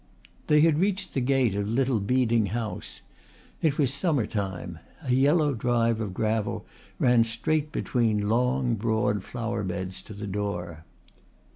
They had reached the gate of Little Beeding House. It was summer time. A yellow drive of gravel ran straight between long broad flower beds to the door.